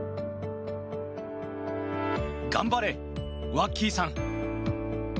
頑張れ、ワッキーさん。